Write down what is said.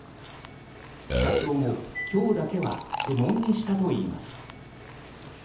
社長も、今日だけは不問にしたといいます。